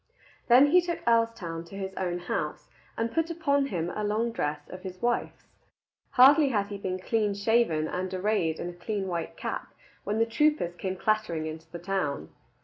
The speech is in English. Then he took Earlstoun to his own house, and put upon him a long dress of his wife's. Hardly had he been clean shaven and arrayed in a clean white cap, when the troopers came clattering into the town.